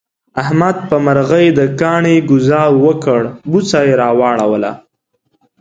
احمد په مرغی د کاڼي گذار وکړ، بوڅه یې را وړوله.